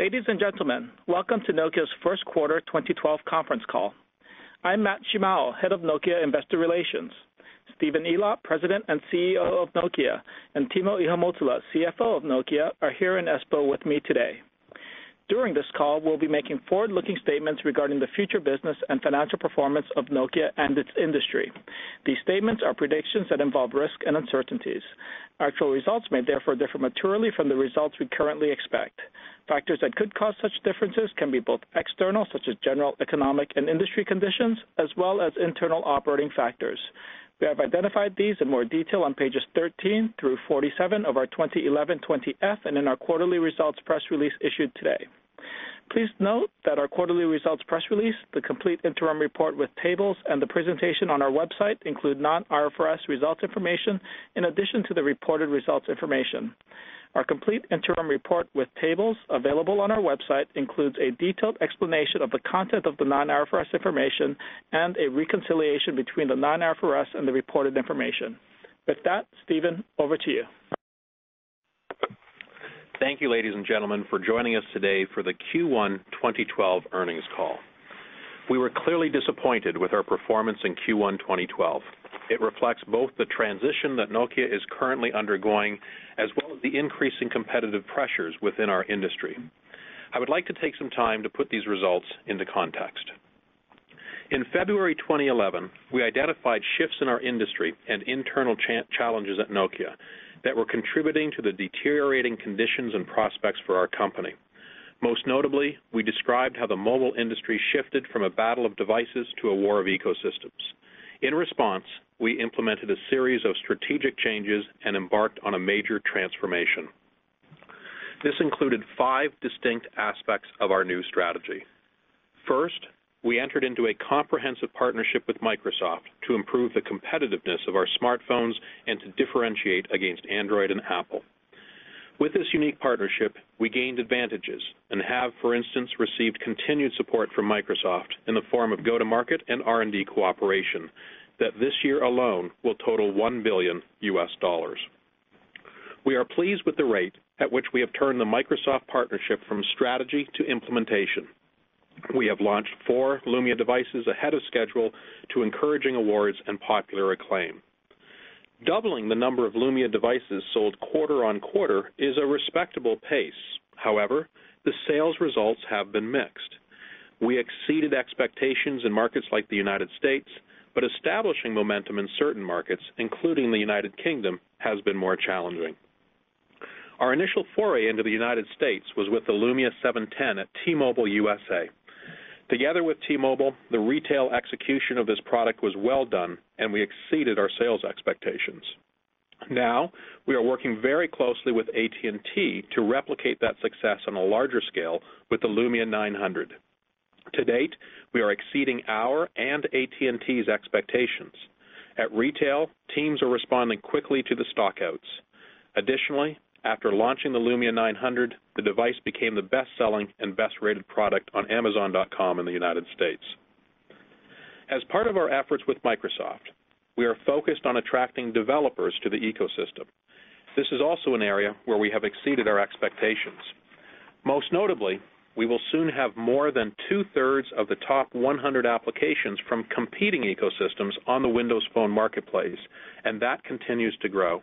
Ladies and gentlemen, welcome to Nokia's First Quarter 2012 conference call. I'm Matt Shimao, Head of Nokia Investor Relations. Stephen Elop, President and CEO of Nokia, and Timo Ihamuotila, CFO of Nokia, are here in Espoo with me today. During this call, we'll be making forward-looking statements regarding the future business and financial performance of Nokia and its industry. These statements are predictions that involve risk and uncertainties. Actual results may therefore differ materially from the results we currently expect. Factors that could cause such differences can be both external, such as general economic and industry conditions, as well as internal operating factors. We have identified these in more detail on pages 13 through 47 of our 2011 20-F and in our quarterly results press release issued today. Please note that our quarterly results press release, the complete interim report with tables, and the presentation on our website include non-IFRS results information in addition to the reported results information. Our complete interim report with tables, available on our website, includes a detailed explanation of the content of the non-IFRS information and a reconciliation between the non-IFRS and the reported information. With that, Stephen, over to you. Thank you ladies and gentlemen, for joining us today for the Q1 2012 earnings call. We were clearly disappointed with our performance in Q1 2012. It reflects both the transition that Nokia is currently undergoing as well as the increasing competitive pressures within our industry. I would like to take some time to put these results into context. In February 2011, we identified shifts in our industry and internal challenges at Nokia that were contributing to the deteriorating conditions and prospects for our company. Most notably, we described how the mobile industry shifted from a battle of devices to a war of ecosystems. In response, we implemented a series of strategic changes and embarked on a major transformation. This included five distinct aspects of our new strategy. First, we entered into a comprehensive partnership with Microsoft to improve the competitiveness of our smartphones and to differentiate against Android and Apple. With this unique partnership, we gained advantages and have, for instance, received continued support from Microsoft in the form of go-to-market and R&D cooperation that this year alone will total $1 billion. We are pleased with the rate at which we have turned the Microsoft partnership from strategy to implementation. We have launched 4 Lumia devices ahead of schedule to encourage awards and popular acclaim. Doubling the number of Lumia devices sold quarter-over-quarter is a respectable pace. However, the sales results have been mixed. We exceeded expectations in markets like the United States, but establishing momentum in certain markets, including the United Kingdom, has been more challenging. Our initial foray into the United States was with the Lumia 710 at T-Mobile USA. Together with T-Mobile, the retail execution of this product was well done, and we exceeded our sales expectations. Now, we are working very closely with AT&T to replicate that success on a larger scale with the Lumia 900. To date, we are exceeding our and AT&T's expectations. At retail, teams are responding quickly to the stockouts. Additionally, after launching the Lumia 900, the device became the best-selling and best-rated product on Amazon.com in the United States. As part of our efforts with Microsoft, we are focused on attracting developers to the ecosystem. This is also an area where we have exceeded our expectations. Most notably, we will soon have more than 2/3 of the top 100 applications from competing ecosystems on the Windows Phone Marketplace, and that continues to grow.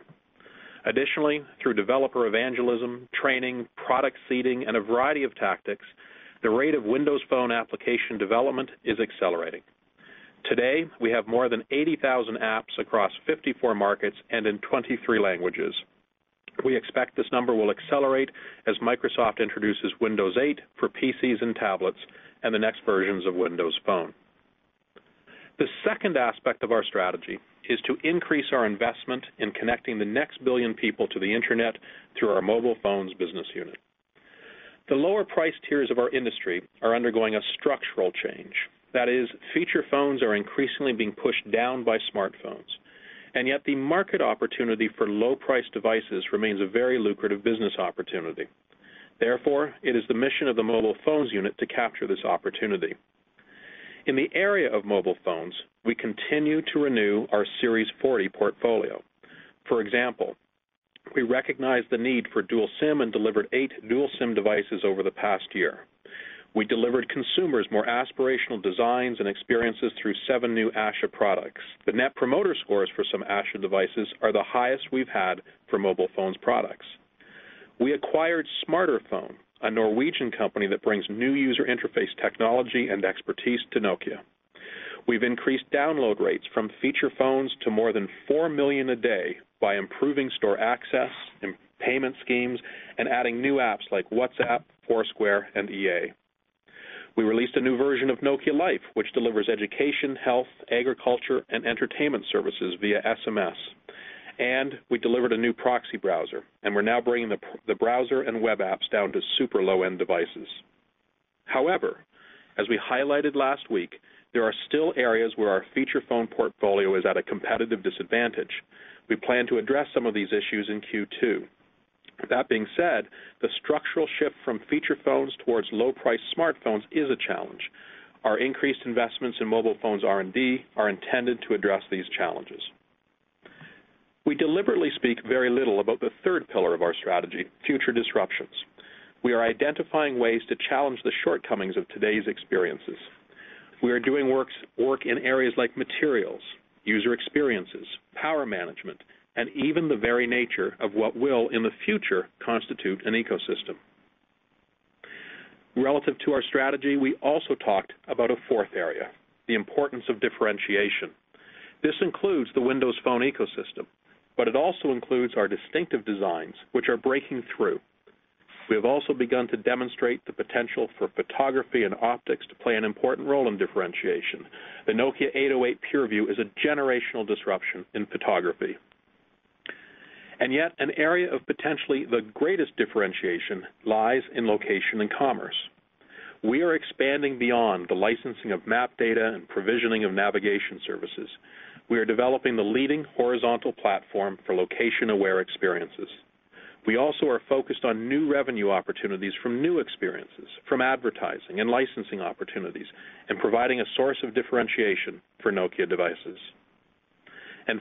Additionally, through developer evangelism, training, product seeding, and a variety of tactics, the rate of Windows Phone application development is accelerating. Today, we have more than 80,000 apps across 54 markets and in 23 languages. We expect this number will accelerate as Microsoft introduces Windows 8 for PCs and tablets and the next versions of Windows Phone. The second aspect of our strategy is to increase our investment in connecting the next billion people to the internet through our mobile phones business unit. The lower price tiers of our industry are undergoing a structural change. That is, feature phones are increasingly being pushed down by smartphones, and yet the market opportunity for low-priced devices remains a very lucrative business opportunity. Therefore, it is the mission of the mobile phones unit to capture this opportunity. In the area of mobile phones, we continue to renew our Series 40 portfolio. For example, we recognized the need for dual SIM and delivered eight dual SIM devices over the past year. We delivered consumers more aspirational designs and experiences through seven new Asha products. The net promoter scores for some Asha devices are the highest we've had for mobile phones products. We acquired Smarterphone a Norwegian company that brings new user interface technology and expertise to Nokia. We've increased download rates from feature phones to more than 4 million a day by improving store access, payment schemes, and adding new apps like WhatsApp, Foursquare, and EA. We released a new version of Nokia Life, which delivers education, health, agriculture, and entertainment services via SMS. And we delivered a new proxy browser, and we're now bringing the browser and web apps down to super low-end devices. However, as we highlighted last week, there are still areas where our feature phone portfolio is at a competitive disadvantage. We plan to address some of these issues in Q2. That being said, the structural shift from feature phones towards low-priced smartphones is a challenge. Our increased investments in mobile phones R&D are intended to address these challenges. We deliberately speak very little about the third pillar of our strategy, future disruptions. We are identifying ways to challenge the shortcomings of today's experiences. We are doing work in areas like materials, user experiences, power management, and even the very nature of what will, in the future, constitute an ecosystem. Relative to our strategy, we also talked about a fourth area, the importance of differentiation. This includes the Windows Phone ecosystem, but it also includes our distinctive designs, which are breaking through. We have also begun to demonstrate the potential for photography and optics to play an important role in differentiation. The Nokia 808 PureView is a generational disruption in photography. And yet, an area of potentially the greatest differentiation lies in location and commerce. We are expanding beyond the licensing of map data and provisioning of navigation services. We are developing the leading horizontal platform for location-aware experiences. We also are focused on new revenue opportunities from new experiences, from advertising and licensing opportunities, and providing a source of differentiation for Nokia devices.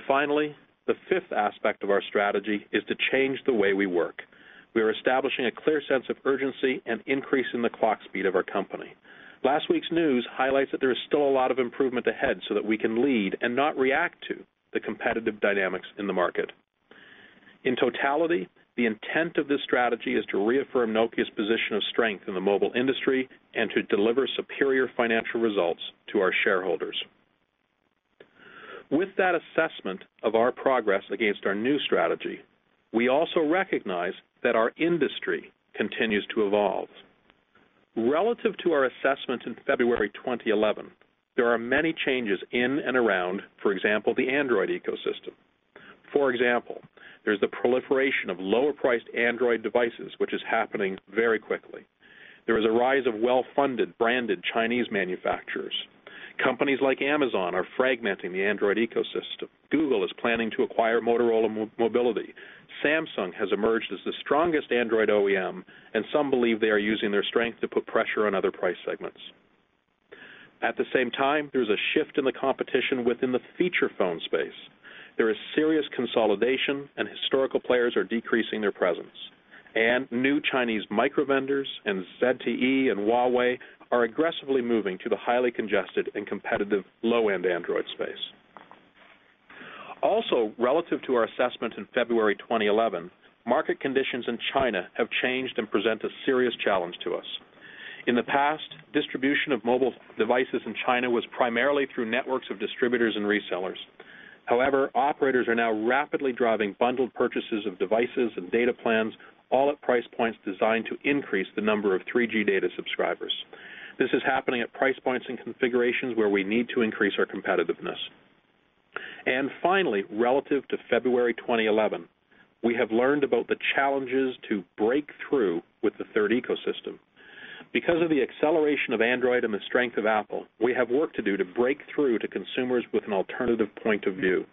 Finally, the fifth aspect of our strategy is to change the way we work. We are establishing a clear sense of urgency and increase in the clock speed of our company. Last week's news highlights that there is still a lot of improvement ahead so that we can lead and not react to the competitive dynamics in the market. In totality, the intent of this strategy is to reaffirm Nokia's position of strength in the mobile industry and to deliver superior financial results to our shareholders. With that assessment of our progress against our new strategy, we also recognize that our industry continues to evolve. Relative to our assessment in February 2011, there are many changes in and around, for example, the Android ecosystem. For example, there's the proliferation of lower-priced Android devices, which is happening very quickly. There is a rise of well-funded, branded Chinese manufacturers. Companies like Amazon are fragmenting the Android ecosystem. Google is planning to acquire Motorola Mobility. Samsung has emerged as the strongest Android OEM, and some believe they are using their strength to put pressure on other price segments. At the same time, there's a shift in the competition within the feature phone space. There is serious consolidation, and historical players are decreasing their presence. New Chinese microvendors and ZTE and Huawei are aggressively moving to the highly congested and competitive low-end Android space. Also, relative to our assessment in February 2011, market conditions in China have changed and present a serious challenge to us. In the past, distribution of mobile devices in China was primarily through networks of distributors and resellers. However, operators are now rapidly driving bundled purchases of devices and data plans, all at price points designed to increase the number of 3G data subscribers. This is happening at price points and configurations where we need to increase our competitiveness. And finally, relative to February 2011, we have learned about the challenges to break through with the 3rd ecosystem. Because of the acceleration of Android and the strength of Apple, we have work to do to break through to consumers with an alternative point of view.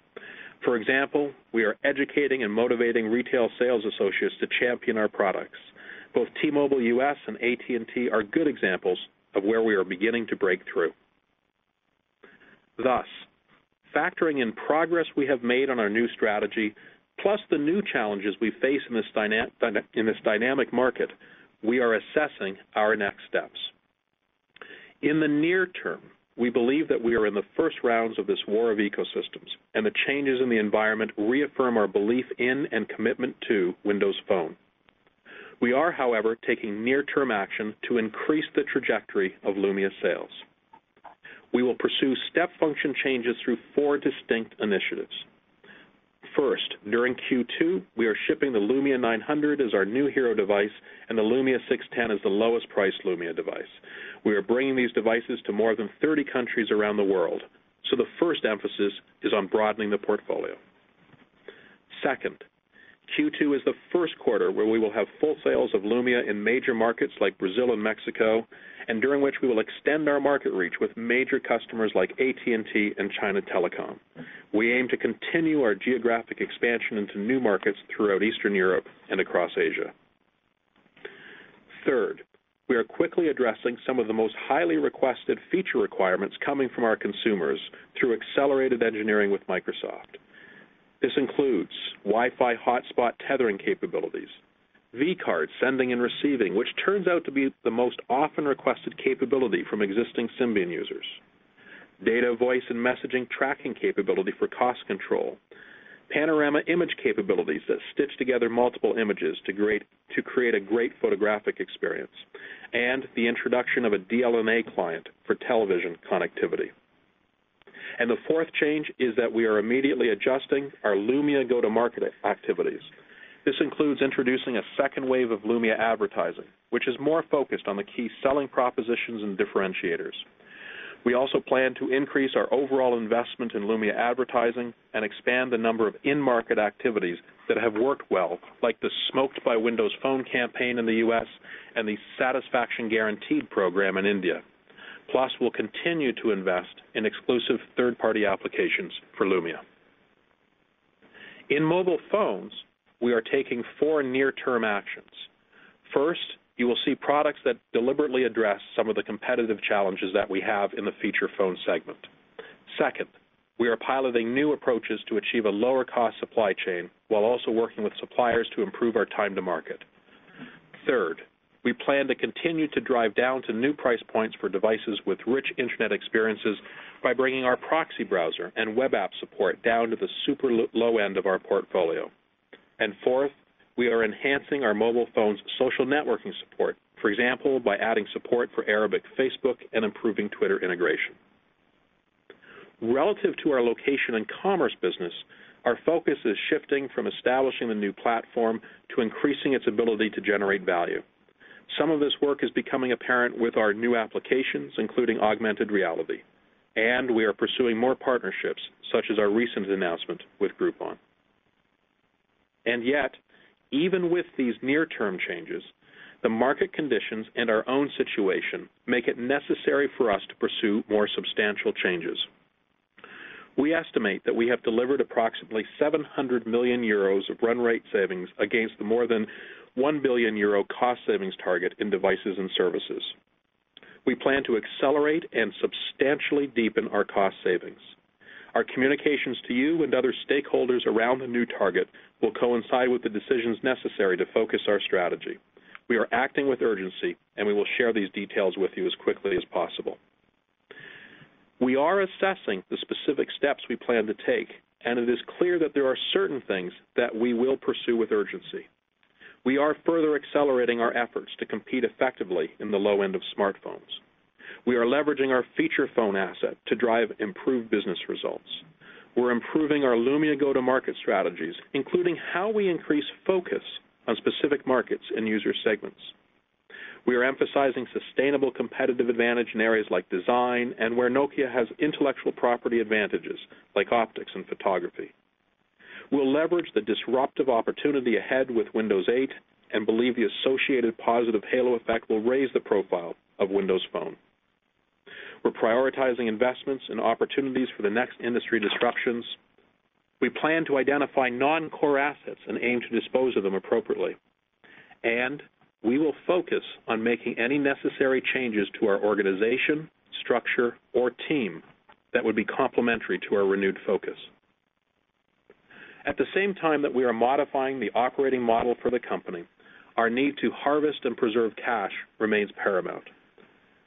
For example, we are educating and motivating retail sales associates to champion our products. Both T-Mobile US and AT&T are good examples of where we are beginning to break through. Thus, factoring in progress we have made on our new strategy, plus the new challenges we face in this dynamic market, we are assessing our next steps. In the near term, we believe that we are in the first rounds of this war of ecosystems, and the changes in the environment reaffirm our belief in and commitment to Windows Phone. We are, however, taking near-term action to increase the trajectory of Lumia sales. We will pursue step function changes through four distinct initiatives. First, during Q2, we are shipping the Lumia 900 as our new hero device, and the Lumia 610 as the lowest-priced Lumia device. We are bringing these devices to more than 30 countries around the world, so the first emphasis is on broadening the portfolio. Second, Q2 is the first quarter where we will have full sales of Lumia in major markets like Brazil and Mexico, and during which we will extend our market reach with major customers like AT&T and China Telecom. We aim to continue our geographic expansion into new markets throughout Eastern Europe and across Asia. Third, we are quickly addressing some of the most highly requested feature requirements coming from our consumers through accelerated engineering with Microsoft. This includes Wi-Fi hotspot tethering capabilities, vCard sending and receiving, which turns out to be the most often requested capability from existing Symbian users, data voice and messaging tracking capability for cost control, panorama image capabilities that stitch together multiple images to create a great photographic experience, and the introduction of a DLNA client for television connectivity. And the fourth change is that we are immediately adjusting our Lumia go-to-market activities. This includes introducing a second wave of Lumia advertising, which is more focused on the key selling propositions and differentiators. We also plan to increase our overall investment in Lumia advertising and expand the number of in-market activities that have worked well, like the Smoked by Windows Phone campaign in the U.S. and the Satisfaction Guaranteed program in India. Plus, we'll continue to invest in exclusive third-party applications for Lumia. In mobile phones, we are taking four near-term actions. First, you will see products that deliberately address some of the competitive challenges that we have in the feature phone segment. Second, we are piloting new approaches to achieve a lower-cost supply chain while also working with suppliers to improve our time to market. Third, we plan to continue to drive down to new price points for devices with rich internet experiences by bringing our proxy browser and web app support down to the super low end of our portfolio. And fourth, we are enhancing our mobile phones' social networking support, for example, by adding support for Arabic Facebook and improving Twitter integration. Relative to our location and commerce business, our focus is shifting from establishing the new platform to increasing its ability to generate value. Some of this work is becoming apparent with our new applications, including augmented reality, and we are pursuing more partnerships, such as our recent announcement with Groupon. And yet, even with these near-term changes, the market conditions and our own situation make it necessary for us to pursue more substantial changes. We estimate that we have delivered approximately 700 million euros of run rate savings against the more than 1 billion euro cost savings target in devices and services. We plan to accelerate and substantially deepen our cost savings. Our communications to you and other stakeholders around the new target will coincide with the decisions necessary to focus our strategy. We are acting with urgency, and we will share these details with you as quickly as possible. We are assessing the specific steps we plan to take, and it is clear that there are certain things that we will pursue with urgency. We are further accelerating our efforts to compete effectively in the low end of smartphones. We are leveraging our feature phone asset to drive improved business results. We're improving our Lumia go-to-market strategies, including how we increase focus on specific markets and user segments. We are emphasizing sustainable competitive advantage in areas like design and where Nokia has intellectual property advantages like optics and photography. We'll leverage the disruptive opportunity ahead with Windows 8 and believe the associated positive halo effect will raise the profile of Windows Phone. We're prioritizing investments and opportunities for the next industry disruptions. We plan to identify non-core assets and aim to dispose of them appropriately. And we will focus on making any necessary changes to our organization, structure, or team that would be complementary to our renewed focus. At the same time that we are modifying the operating model for the company, our need to harvest and preserve cash remains paramount.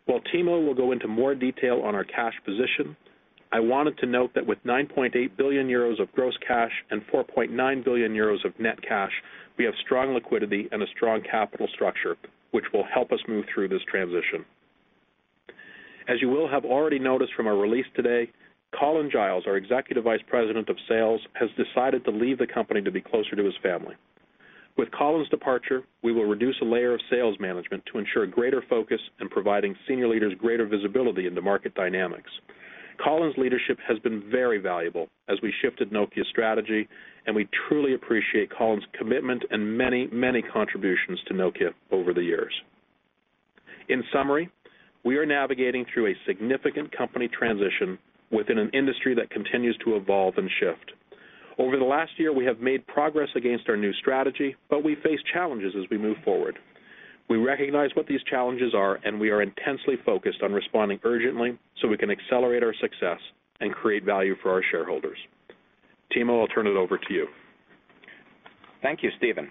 While Timo will go into more detail on our cash position, I wanted to note that with 9.8 billion euros of gross cash and 4.9 billion euros of net cash, we have strong liquidity and a strong capital structure, which will help us move through this transition. As you will have already noticed from our release today, Colin Giles, our Executive Vice President of Sales, has decided to leave the company to be closer to his family. With Colin's departure, we will reduce a layer of sales management to ensure greater focus and providing senior leaders greater visibility into market dynamics. Colin's leadership has been very valuable as we shifted Nokia's strategy, and we truly appreciate Colin's commitment and many, many contributions to Nokia over the years. In summary, we are navigating through a significant company transition within an industry that continues to evolve and shift. Over the last year, we have made progress against our new strategy, but we face challenges as we move forward. We recognize what these challenges are, and we are intensely focused on responding urgently so we can accelerate our success and create value for our shareholders. Timo, I'll turn it over to you. Thank you, Stephen.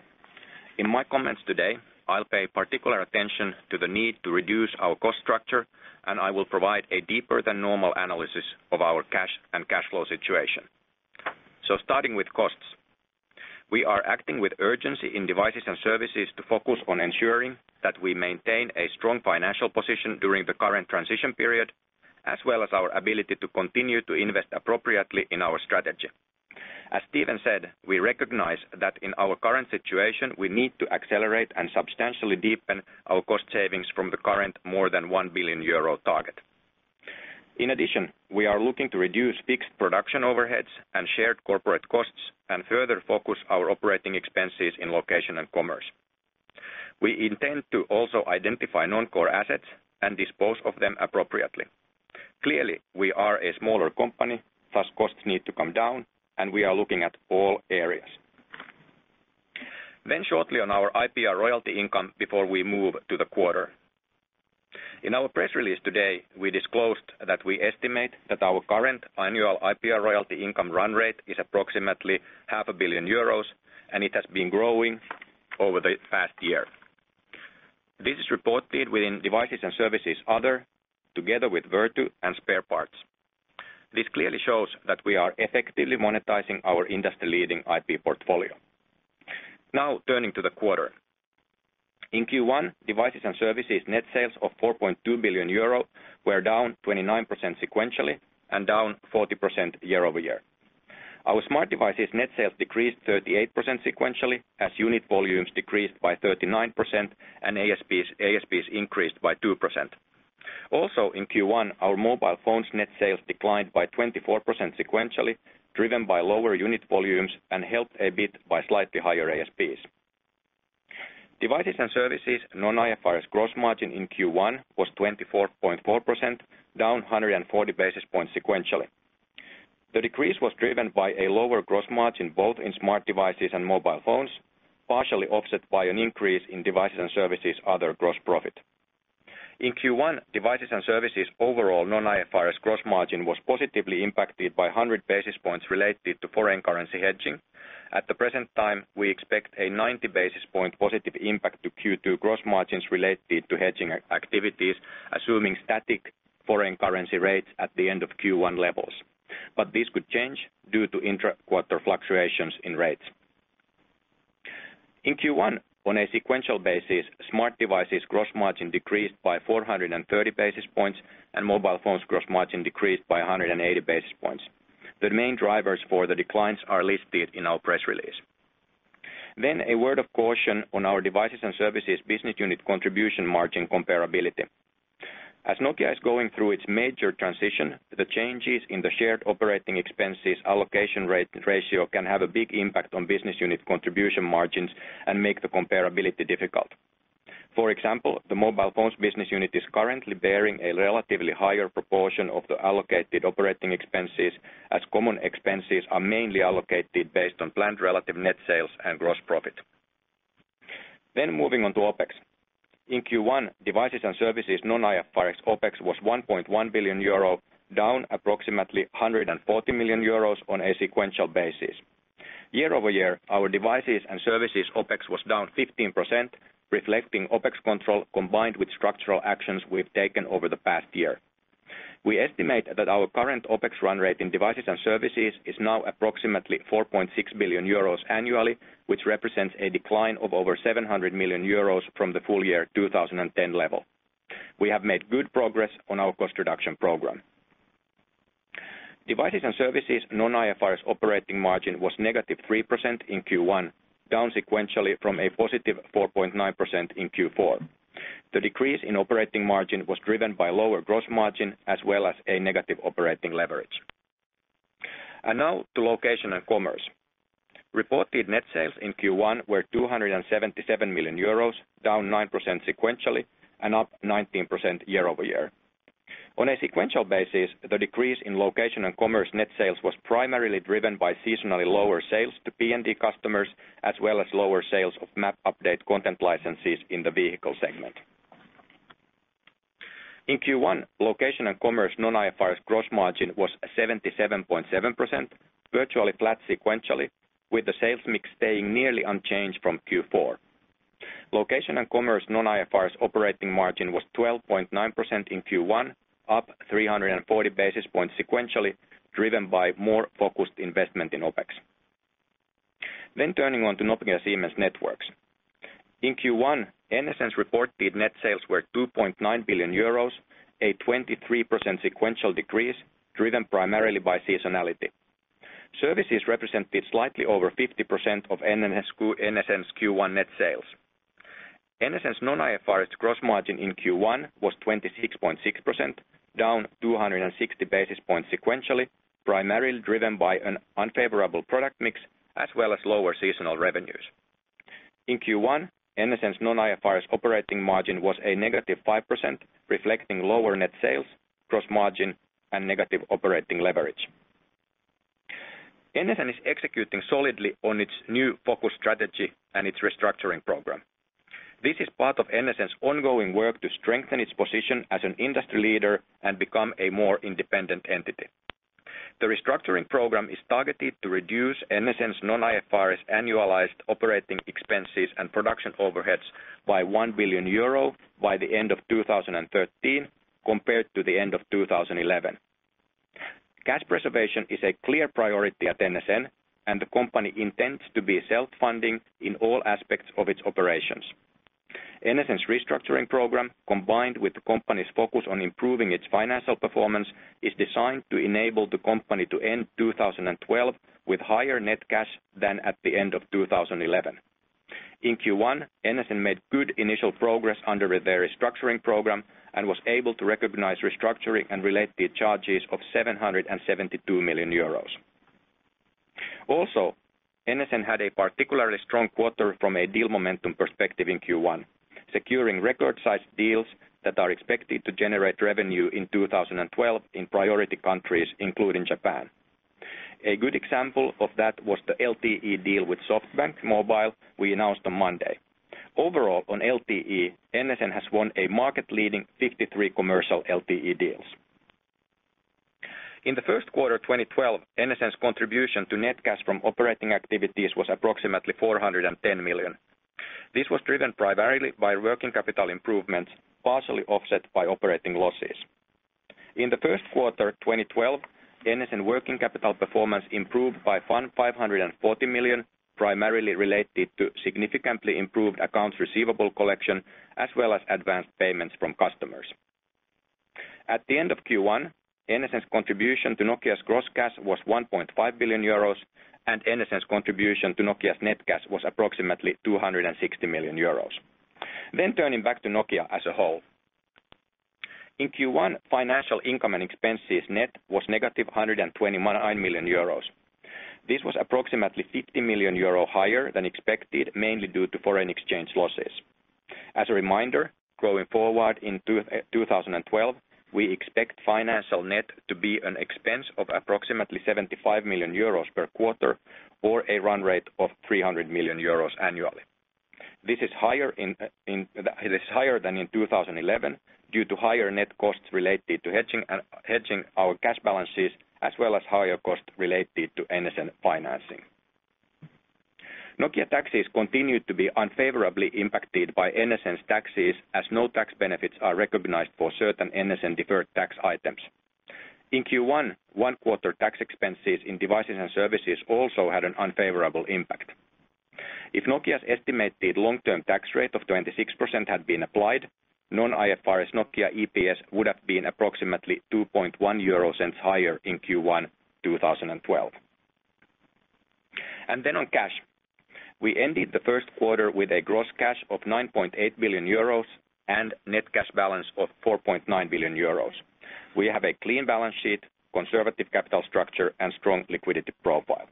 In my comments today, I'll pay particular attention to the need to reduce our cost structure, and I will provide a deeper-than-normal analysis of our cash and cash flow situation. Starting with costs, we are acting with urgency in devices and services to focus on ensuring that we maintain a strong financial position during the current transition period, as well as our ability to continue to invest appropriately in our strategy. As Stephen said, we recognize that in our current situation, we need to accelerate and substantially deepen our cost savings from the current more than 1 billion euro target. In addition, we are looking to reduce fixed production overheads and shared corporate costs and further focus our operating expenses in location and commerce. We intend to also identify non-core assets and dispose of them appropriately. Clearly, we are a smaller company, thus costs need to come down, and we are looking at all areas. Then shortly on our IPR royalty income before we move to the quarter. In our press release today, we disclosed that we estimate that our current annual IPR royalty income run rate is approximately 500 billion euros, and it has been growing over the past year. This is reported within devices and services other, together with Vertu and Spare Parts. This clearly shows that we are effectively monetizing our industry-leading IP portfolio. Now turning to the quarter. In Q1, devices and services net sales of 4.2 billion euro were down 29% sequentially and down 40% year-over-year. Our smart devices net sales decreased 38% sequentially as unit volumes decreased by 39% and ASPs increased by 2%. Also in Q1, our mobile phones net sales declined by 24% sequentially, driven by lower unit volumes and helped a bit by slightly higher ASPs. Devices and services non-IFRS gross margin in Q1 was 24.4%, down 140 basis points sequentially. The decrease was driven by a lower gross margin both in smart devices and mobile phones, partially offset by an increase in devices and services other gross profit. In Q1, devices and services overall non-IFRS gross margin was positively impacted by 100 basis points related to foreign currency hedging. At the present time, we expect a 90 basis point positive impact to Q2 gross margins related to hedging activities, assuming static foreign currency rates at the end of Q1 levels. But this could change due to interquarter fluctuations in rates. In Q1, on a sequential basis, smart devices gross margin decreased by 430 basis points and mobile phones gross margin decreased by 180 basis points. The main drivers for the declines are listed in our press release. Then a word of caution on our devices and services business unit contribution margin comparability. As Nokia is going through its major transition, the changes in the shared operating expenses allocation ratio can have a big impact on business unit contribution margins and make the comparability difficult. For example, the mobile phones business unit is currently bearing a relatively higher proportion of the allocated operating expenses as common expenses are mainly allocated based on planned relative net sales and gross profit. Then moving on to OpEx. In Q1, devices and services non-IFRS OpEx was 1.1 billion euro, down approximately 140 million euros on a sequential basis. Year-over-year, our devices and services OpEx was down 15%, reflecting OpEx control combined with structural actions we've taken over the past year. We estimate that our current OpEx run rate in devices and services is now approximately 4.6 billion euros annually, which represents a decline of over 700 million euros from the full year 2010 level. We have made good progress on our cost reduction program. Devices and services non-IFRS operating margin was -3% in Q1, down sequentially from a +4.9% in Q4. The decrease in operating margin was driven by lower gross margin as well as a negative operating leverage. Now to location and commerce. Reported net sales in Q1 were EUR 277 million, down 9% sequentially and up 19% year-over-year. On a sequential basis, the decrease in location and commerce net sales was primarily driven by seasonally lower sales to PND customers as well as lower sales of map update content licenses in the vehicle segment. In Q1, location and commerce non-IFRS gross margin was 77.7%, virtually flat sequentially, with the sales mix staying nearly unchanged from Q4. Location and commerce non-IFRS operating margin was 12.9% in Q1, up 340 basis points sequentially, driven by more focused investment in OpEx. Turning on to Nokia Siemens Networks. In Q1, NSN's reported net sales were 2.9 billion euros, a 23% sequential decrease driven primarily by seasonality. Services represented slightly over 50% of NSN's Q1 net sales. NSN's non-IFRS gross margin in Q1 was 26.6%, down 260 basis points sequentially, primarily driven by an unfavorable product mix as well as lower seasonal revenues. In Q1, NSN's non-IFRS operating margin was a negative 5%, reflecting lower net sales, gross margin, and negative operating leverage. NSN is executing solidly on its new focus strategy and its restructuring program. This is part of NSN's ongoing work to strengthen its position as an industry leader and become a more independent entity. The restructuring program is targeted to reduce NSN's non-IFRS annualized operating expenses and production overheads by 1 billion euro by the end of 2013 compared to the end of 2011. Cash preservation is a clear priority at NSN, and the company intends to be self-funding in all aspects of its operations. NSN's restructuring program, combined with the company's focus on improving its financial performance, is designed to enable the company to end 2012 with higher net cash than at the end of 2011. In Q1, NSN made good initial progress under their restructuring program and was able to recognize restructuring and related charges of 772 million euros. Also, NSN had a particularly strong quarter from a deal momentum perspective in Q1, securing record-sized deals that are expected to generate revenue in 2012 in priority countries, including Japan. A good example of that was the LTE deal with SoftBank Mobile we announced on Monday. Overall, on LTE, NSN has won a market-leading 53 commercial LTE deals. In the first quarter 2012, NSN's contribution to net cash from operating activities was approximately 410 million. This was driven primarily by working capital improvements, partially offset by operating losses. In the first quarter 2012, NSN working capital performance improved by 540 million, primarily related to significantly improved accounts receivable collection as well as advanced payments from customers. At the end of Q1, NSN's contribution to Nokia's gross cash was 1.5 billion euros, and NSN's contribution to Nokia's net cash was approximately 260 million euros. Then turning back to Nokia as a whole. In Q1, financial income and expenses net was negative 129 million euros. This was approximately 50 million euro higher than expected, mainly due to foreign exchange losses. As a reminder, going forward in 2012, we expect financial net to be an expense of approximately 75 million euros per quarter or a run rate of 300 million euros annually. This is higher than in 2011 due to higher net costs related to hedging our cash balances as well as higher costs related to NSN financing. Nokia taxes continue to be unfavorably impacted by NSN's taxes as no tax benefits are recognized for certain NSN deferred tax items. In Q1, one quarter tax expenses in devices and services also had an unfavorable impact. If Nokia's estimated long-term tax rate of 26% had been applied, non-IFRS Nokia EPS would have been approximately 2.1 euro higher in Q1 2012. Then on cash, we ended the first quarter with a gross cash of 9.8 billion euros and net cash balance of 4.9 billion euros. We have a clean balance sheet, conservative capital structure, and strong liquidity profile.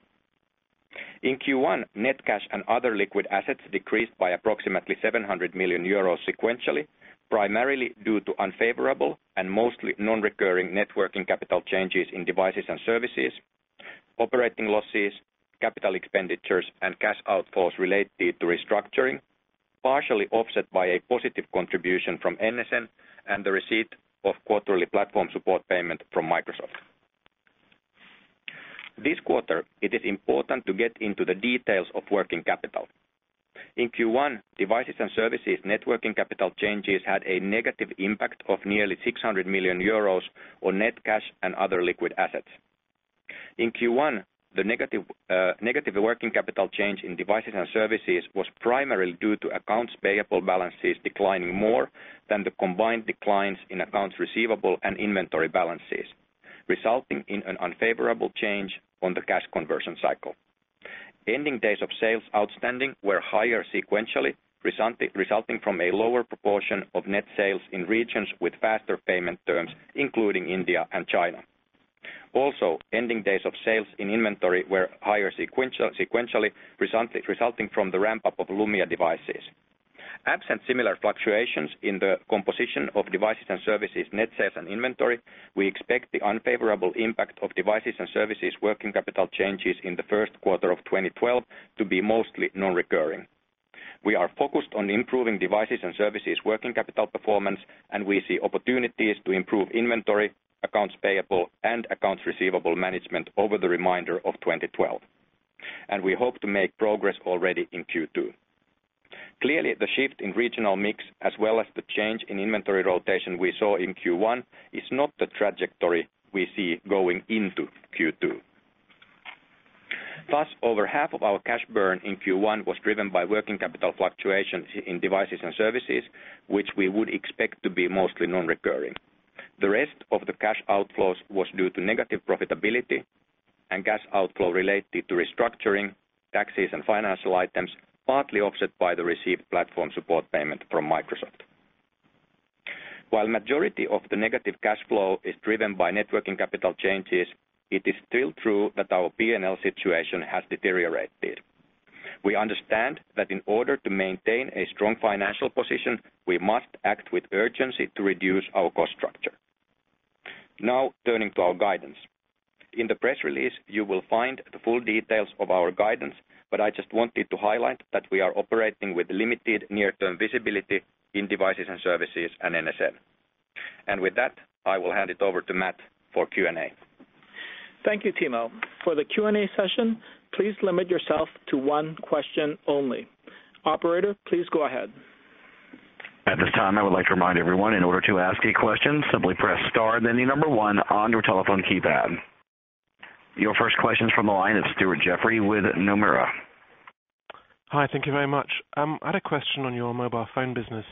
In Q1, net cash and other liquid assets decreased by approximately 700 million euros sequentially, primarily due to unfavorable and mostly non-recurring net working capital changes in devices and services, operating losses, capital expenditures, and cash outflows related to restructuring, partially offset by a positive contribution from NSN and the receipt of quarterly platform support payment from Microsoft. This quarter, it is important to get into the details of working capital. In Q1, devices and services net working capital changes had a negative impact of nearly 600 million euros on net cash and other liquid assets. In Q1, the negative working capital change in devices and services was primarily due to accounts payable balances declining more than the combined declines in accounts receivable and inventory balances, resulting in an unfavorable change on the cash conversion cycle. Ending days of sales outstanding were higher sequentially, resulting from a lower proportion of net sales in regions with faster payment terms, including India and China. Also, ending days of sales in inventory were higher sequentially, resulting from the ramp-up of Lumia devices. Absent similar fluctuations in the composition of devices and services net sales and inventory, we expect the unfavorable impact of devices and services working capital changes in the first quarter of 2012 to be mostly non-recurring. We are focused on improving devices and services working capital performance, and we see opportunities to improve inventory, accounts payable, and accounts receivable management over the remainder of 2012. We hope to make progress already in Q2. Clearly, the shift in regional mix as well as the change in inventory rotation we saw in Q1 is not the trajectory we see going into Q2. Thus, over half of our cash burn in Q1 was driven by working capital fluctuation in devices and services, which we would expect to be mostly non-recurring. The rest of the cash outflows was due to negative profitability and cash outflow related to restructuring, taxes, and financial items, partly offset by the received platform support payment from Microsoft. While the majority of the negative cash flow is driven by working capital changes, it is still true that our P&L situation has deteriorated. We understand that in order to maintain a strong financial position, we must act with urgency to reduce our cost structure. Now turning to our guidance. In the press release, you will find the full details of our guidance, but I just wanted to highlight that we are operating with limited near-term visibility in devices and services and NSN. With that, I will hand it over to Matt for Q&A. Thank you, Timo. For the Q&A session, please limit yourself to one question only. Operator, please go ahead. At this time, I would like to remind everyone, in order to ask a question, simply press star and then one on your telephone keypad. Your first question is from the line of Stuart Jeffrey with Nomura. Hi, thank you very much. I had a question on your mobile phone business.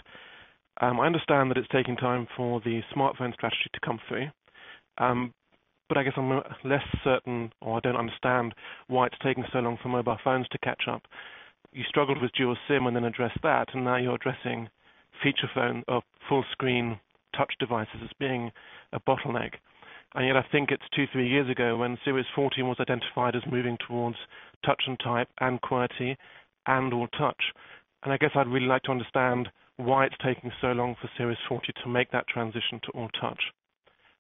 I understand that it's taking time for the smartphone strategy to come through, but I guess I'm less certain or I don't understand why it's taking so long for mobile phones to catch up. You struggled with dual SIM and then addressed that, and now you're addressing feature phone or full-screen touch devices as being a bottleneck. And yet I think it's 2-3 years ago when Series 40 was identified as moving towards touch and type and quality and all touch. And I guess I'd really like to understand why it's taking so long for Series 40 to make that transition to all touch.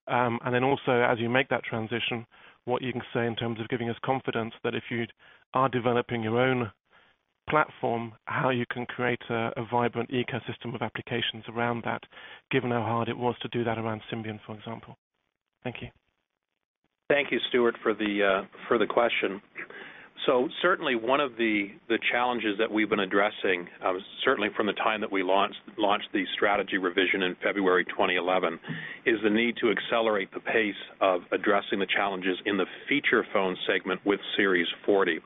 And then also, as you make that transition, what you can say in terms of giving us confidence that if you are developing your own platform, how you can create a vibrant ecosystem of applications around that, given how hard it was to do that around Symbian, for example. Thank you. Thank you Stuart, for the question. So certainly, one of the challenges that we've been addressing, certainly from the time that we launched the strategy revision in February 2011, is the need to accelerate the pace of addressing the challenges in the feature phone segment with Series 40.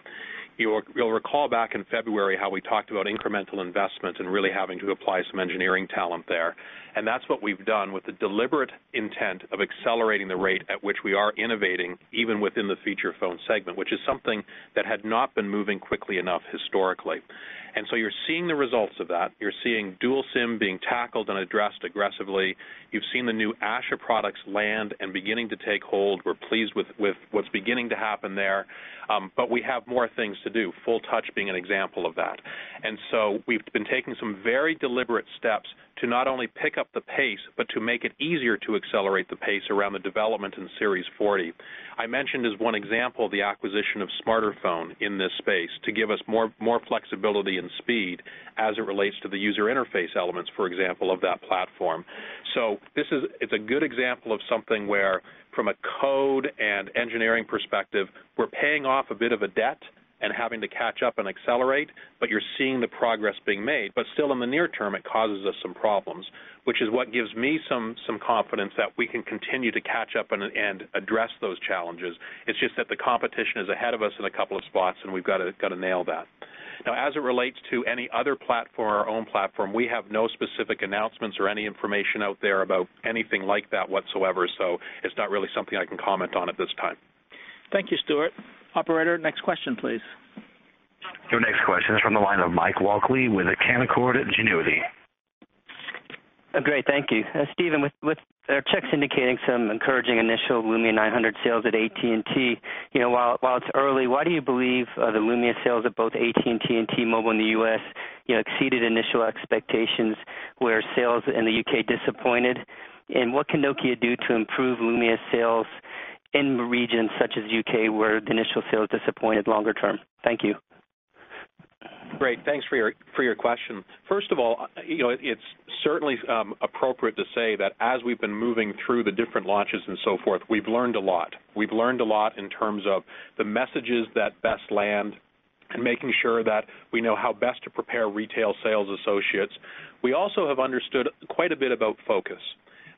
You'll recall back in February how we talked about incremental investment and really having to apply some engineering talent there. And that's what we've done with the deliberate intent of accelerating the rate at which we are innovating even within the feature phone segment, which is something that had not been moving quickly enough historically. And so you're seeing the results of that. You're seeing dual SIM being tackled and addressed aggressively. You've seen the new Asha products land and beginning to take hold. We're pleased with what's beginning to happen there. But we have more things to do. Full touch being an example of that. And so we've been taking some very deliberate steps to not only pick up the pace but to make it easier to accelerate the pace around the development in Series 40. I mentioned as one example the acquisition of SmarterPhone in this space to give us more flexibility and speed as it relates to the user interface elements, for example, of that platform. So it's a good example of something where, from a code and engineering perspective, we're paying off a bit of a debt and having to catch up and accelerate, but you're seeing the progress being made. But still, in the near term, it causes us some problems, which is what gives me some confidence that we can continue to catch up and address those challenges. It's just that the competition is ahead of us in a couple of spots, and we've got to nail that. Now, as it relates to any other platform or our own platform, we have no specific announcements or any information out there about anything like that whatsoever, so it's not really something I can comment on at this time. Thank you Stuart. Operator, next question, please. Your next question is from the line of Mike Walkley with Canaccord Genuity. Great, thank you. Stephen, our charts are indicating some encouraging initial Lumia 900 sales at AT&T. While it's early, why do you believe the Lumia sales at both AT&T and T-Mobile in the U.S. exceeded initial expectations where sales in the U.K. disappointed? What can Nokia do to improve Lumia sales in regions such as the U.K. where the initial sales disappointed longer term? Thank you. Great. Thanks for your question. First of all, it's certainly appropriate to say that as we've been moving through the different launches and so forth, we've learned a lot. We've learned a lot in terms of the messages that best land and making sure that we know how best to prepare retail sales associates. We also have understood quite a bit about focus.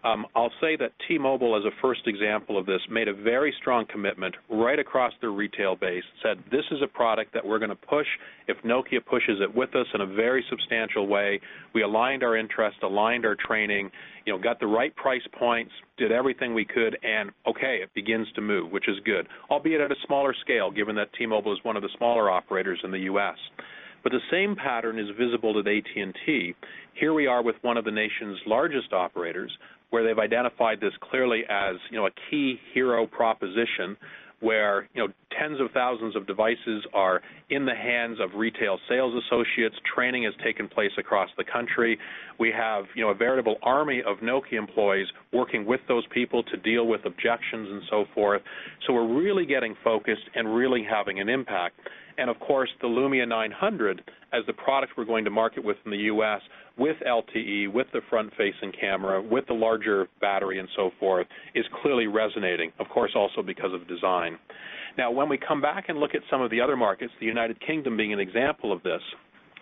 I'll say that T-Mobile, as a first example of this, made a very strong commitment right across their retail base, said, "This is a product that we're going to push. If Nokia pushes it with us in a very substantial way, we aligned our interest, aligned our training, got the right price points, did everything we could, and okay, it begins to move," which is good, albeit at a smaller scale, given that T-Mobile is one of the smaller operators in the U.S. But the same pattern is visible with AT&T. Here we are with one of the nation's largest operators, where they've identified this clearly as a key hero proposition where tens of thousands of devices are in the hands of retail sales associates. Training has taken place across the country. We have a veritable army of Nokia employees working with those people to deal with objections and so forth. So we're really getting focused and really having an impact. And of course, the Lumia 900, as the product we're going to market with in the U.S., with LTE, with the front-facing camera, with the larger battery and so forth, is clearly resonating, of course, also because of design. Now, when we come back and look at some of the other markets, the United Kingdom being an example of this,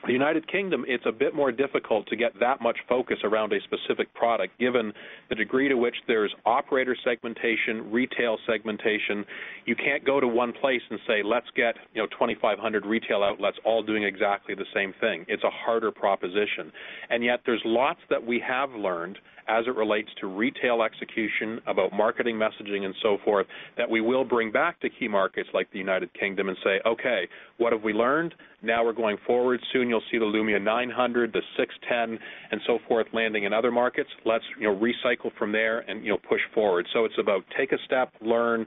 the United Kingdom, it's a bit more difficult to get that much focus around a specific product, given the degree to which there's operator segmentation, retail segmentation. You can't go to one place and say, "Let's get 2,500 retail outlets all doing exactly the same thing." It's a harder proposition. And yet there's lots that we have learned as it relates to retail execution, about marketing messaging, and so forth, that we will bring back to key markets like the United Kingdom and say, "Okay, what have we learned? Now we're going forward. Soon you'll see the Lumia 900, the 610, and so forth landing in other markets. Let's recycle from there and push forward." So it's about take a step, learn,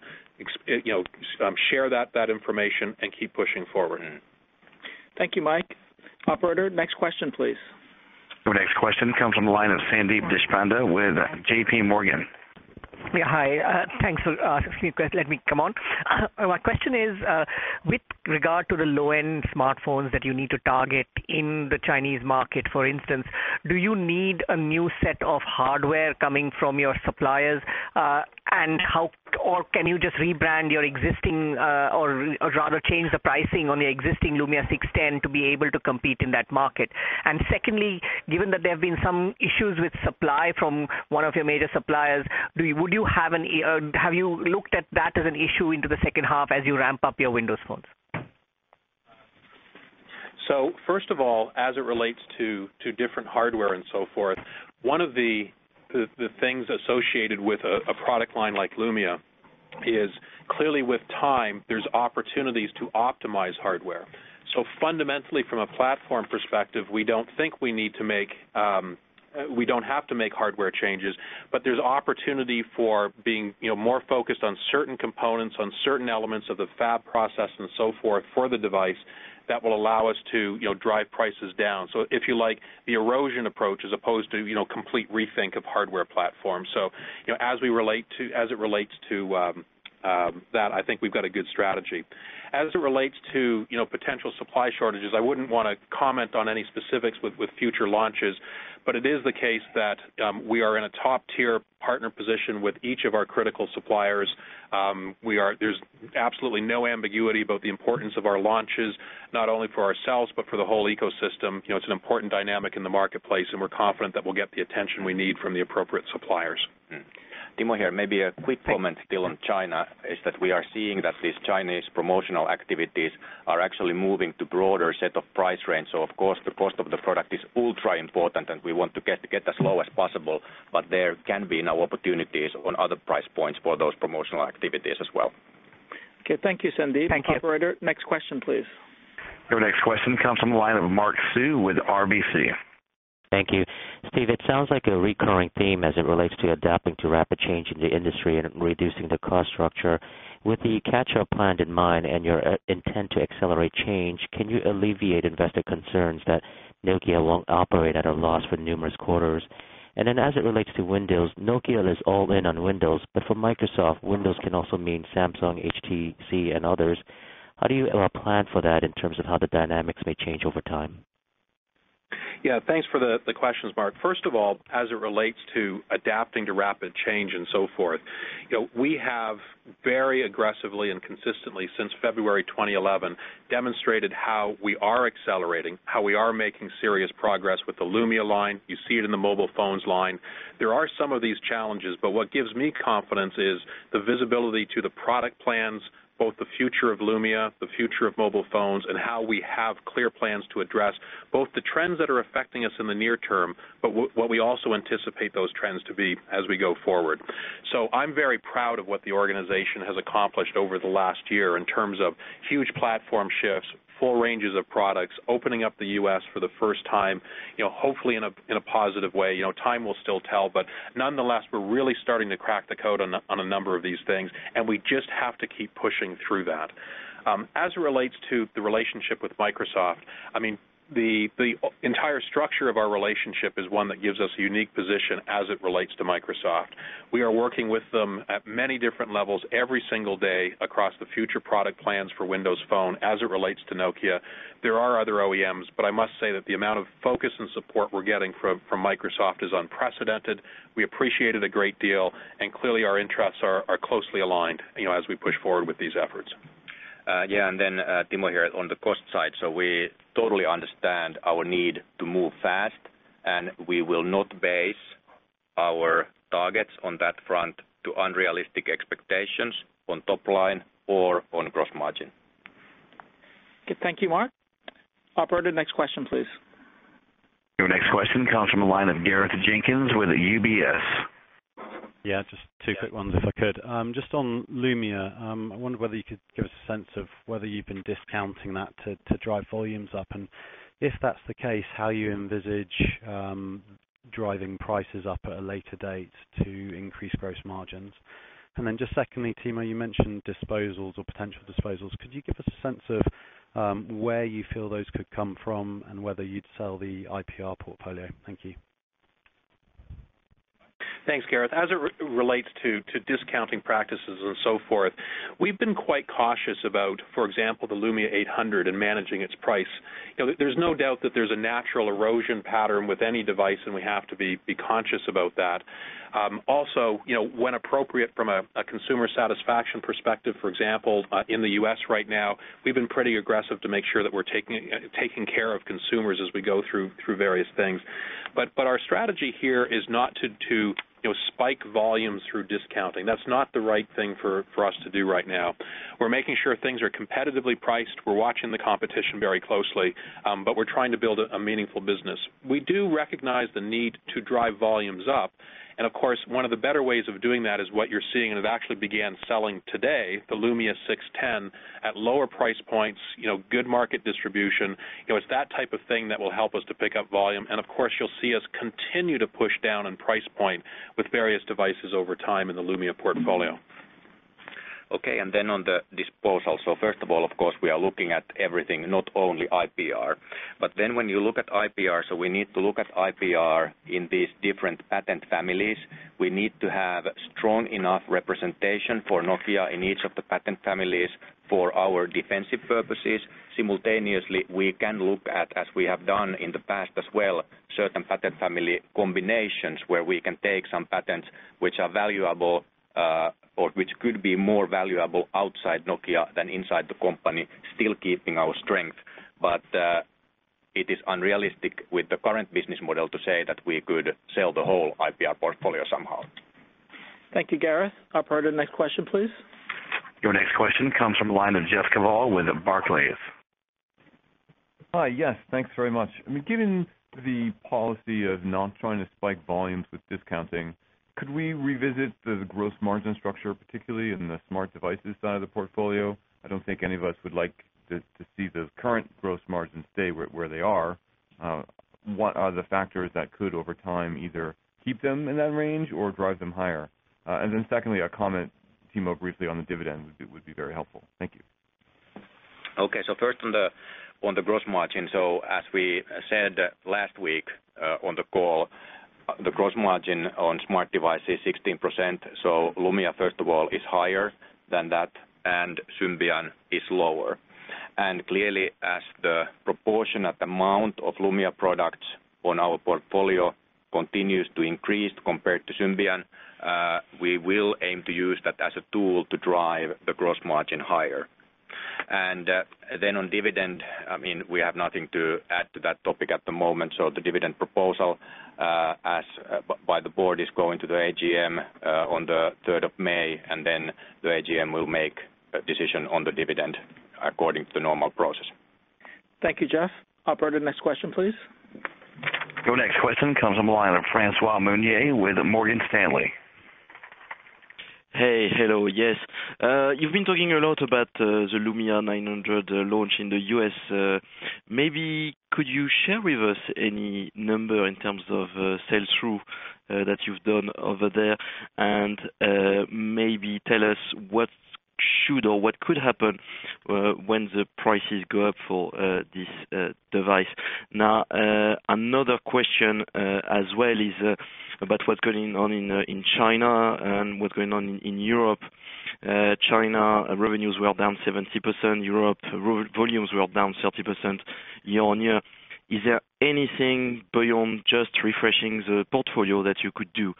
share that information, and keep pushing forward. Thank you, Mike. Operator, next question, please. Your next question comes from the line of Sandeep Deshpande with JPMorgan. Hi. Thanks. Excuse me, let me come on. My question is, with regard to the low-end smartphones that you need to target in the Chinese market, for instance, do you need a new set of hardware coming from your suppliers, or can you just rebrand your existing or rather change the pricing on your existing Lumia 610 to be able to compete in that market? And secondly, given that there have been some issues with supply from one of your major suppliers, have you looked at that as an issue into the second half as you ramp up your Windows phones? So first of all, as it relates to different hardware and so forth, one of the things associated with a product line like Lumia is, clearly, with time, there's opportunities to optimize hardware. So fundamentally, from a platform perspective, we don't have to make hardware changes, but there's opportunity for being more focused on certain components, on certain elements of the fab process and so forth for the device that will allow us to drive prices down. So if you like, the erosion approach as opposed to complete rethink of hardware platforms. So as it relates to that, I think we've got a good strategy. As it relates to potential supply shortages, I wouldn't want to comment on any specifics with future launches, but it is the case that we are in a top-tier partner position with each of our critical suppliers. There's absolutely no ambiguity about the importance of our launches, not only for ourselves but for the whole ecosystem. It's an important dynamic in the marketplace, and we're confident that we'll get the attention we need from the appropriate suppliers. Timo, here, maybe a quick comment still on China is that we are seeing that these Chinese promotional activities are actually moving to a broader set of price ranges. So of course, the cost of the product is ultra-important, and we want to get as low as possible, but there can be now opportunities on other price points for those promotional activities as well. Okay, thank you, Sandeep. Thank you. Operator, next question, please. Your next question comes from the line of Mark Sue with RBC. Thank you. Steve, it sounds like a recurring theme as it relates to adapting to rapid change in the industry and reducing the cost structure. With the catch-up planned in mind and your intent to accelerate change, can you alleviate investor concerns that Nokia won't operate at a loss for numerous quarters? And then as it relates to Windows, Nokia is all in on Windows, but for Microsoft, Windows can also mean Samsung, HTC, and others. How do you plan for that in terms of how the dynamics may change over time? Yeah, thanks for the questions, Mark. First of all, as it relates to adapting to rapid change and so forth, we have very aggressively and consistently since February 2011 demonstrated how we are accelerating, how we are making serious progress with the Lumia line. You see it in the mobile phones line. There are some of these challenges, but what gives me confidence is the visibility to the product plans, both the future of Lumia, the future of mobile phones, and how we have clear plans to address both the trends that are affecting us in the near term but what we also anticipate those trends to be as we go forward. So I'm very proud of what the organization has accomplished over the last year in terms of huge platform shifts, full ranges of products, opening up the U.S. for the first time, hopefully in a positive way. Time will still tell, but nonetheless, we're really starting to crack the code on a number of these things, and we just have to keep pushing through that. As it relates to the relationship with Microsoft, I mean, the entire structure of our relationship is one that gives us a unique position as it relates to Microsoft. We are working with them at many different levels every single day across the future product plans for Windows Phone as it relates to Nokia. There are other OEMs, but I must say that the amount of focus and support we're getting from Microsoft is unprecedented. We appreciate it a great deal, and clearly, our interests are closely aligned as we push forward with these efforts. Yeah, and then Timo, here on the cost side, so we totally understand our need to move fast, and we will not base our targets on that front to unrealistic expectations on top line or on gross margin. Okay, thank you, Mark. Operator, next question, please. Your next question comes from the line of Gareth Jenkins with UBS. Yeah, just two quick ones, if I could. Just on Lumia, I wondered whether you could give us a sense of whether you've been discounting that to drive volumes up, and if that's the case, how you envisage driving prices up at a later date to increase gross margins. And then just secondly, Timo, you mentioned disposals or potential disposals. Could you give us a sense of where you feel those could come from and whether you'd sell the IPR portfolio? Thank you. Thanks, Gareth. As it relates to discounting practices and so forth, we've been quite cautious about, for example, the Lumia 800 and managing its price. There's no doubt that there's a natural erosion pattern with any device, and we have to be conscious about that. Also, when appropriate from a consumer satisfaction perspective, for example, in the U.S. right now, we've been pretty aggressive to make sure that we're taking care of consumers as we go through various things. But our strategy here is not to spike volumes through discounting. That's not the right thing for us to do right now. We're making sure things are competitively priced. We're watching the competition very closely, but we're trying to build a meaningful business. We do recognize the need to drive volumes up, and of course, one of the better ways of doing that is what you're seeing, and it actually began selling today, the Lumia 610, at lower price points, good market distribution. It's that type of thing that will help us to pick up volume, and of course, you'll see us continue to push down in price point with various devices over time in the Lumia portfolio. Okay, and then on the disposal. So first of all, of course, we are looking at everything, not only IPR. But then when you look at IPR, so we need to look at IPR in these different patent families. We need to have strong enough representation for Nokia in each of the patent families for our defensive purposes. Simultaneously, we can look at, as we have done in the past as well, certain patent family combinations where we can take some patents which are valuable or which could be more valuable outside Nokia than inside the company, still keeping our strength. But it is unrealistic with the current business model to say that we could sell the whole IPR portfolio somehow. Thank you, Gareth. Operator, next question, please. Your next question comes from the line of Jeff Kvaal with Barclays. Hi, yes, thanks very much. I mean, given the policy of not trying to spike volumes with discounting, could we revisit the gross margin structure, particularly in the smart devices side of the portfolio? I don't think any of us would like to see the current gross margins stay where they are. What are the factors that could, over time, either keep them in that range or drive them higher? And then secondly, a comment, Timo, briefly on the dividend would be very helpful. Thank you. Okay, so first on the gross margin. So as we said last week on the call, the gross margin on smart devices is 16%. So Lumia, first of all, is higher than that, and Symbian is lower. And clearly, as the proportionate amount of Lumia products on our portfolio continues to increase compared to Symbian, we will aim to use that as a tool to drive the gross margin higher. And then on dividend, I mean, we have nothing to add to that topic at the moment. So the dividend proposal, as by the board, is going to the AGM on the 3rd of May, and then the AGM will make a decision on the dividend according to the normal process. Thank you, Jeff. Operator, next question, please. Your next question comes from the line of François Meunier with Morgan Stanley. Hey, hello, yes. You've been talking a lot about the Lumia 900 launch in the U.S. Maybe could you share with us any number in terms of sell-through that you've done over there and maybe tell us what should or what could happen when the prices go up for this device? Now, another question as well is about what's going on in China and what's going on in Europe. China revenues were down 70%, Europe volumes were down 30% year-over-year. Is there anything beyond just refreshing the portfolio that you could do,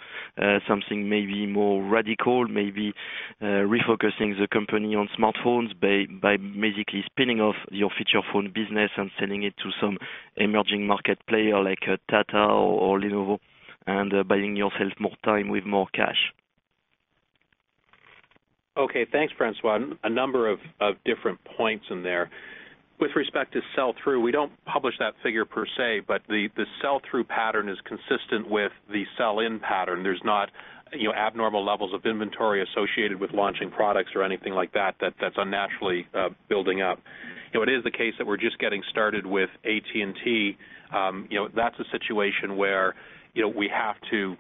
something maybe more radical, maybe refocusing the company on smartphones by basically spinning off your feature phone business and selling it to some emerging market player like Tata or Lenovo and buying yourself more time with more cash? Okay, thanks, François. A number of different points in there. With respect to sell-through, we don't publish that figure per se, but the sell-through pattern is consistent with the sell-in pattern. There's not abnormal levels of inventory associated with launching products or anything like that that's unnaturally building up. It is the case that we're just getting started with AT&T. That's a situation where we have to